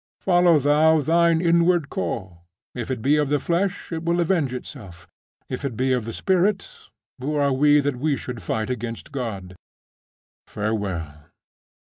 Follow thou thine inward call. If it be of the flesh, it will avenge itself; if it be of the Spirit, who are we that we should fight against God? Farewell.